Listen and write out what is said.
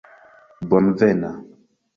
bonvena